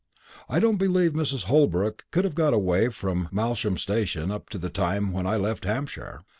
I don't believe Mrs. Holbrook could have got away from Malsham station up to the time when I left Hampshire.